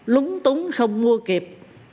lúng túng không mua kịp